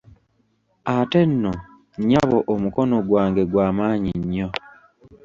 Ate nno, nnyabo omukono gwange gwa maanyi nnyo.